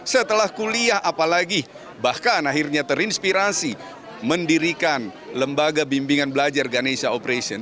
setelah kuliah apalagi bahkan akhirnya terinspirasi mendirikan lembaga bimbingan belajar ganesha operation